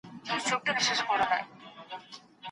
ډاکټره د لوړ ږغ سره پاڼه ړنګه نه کړه.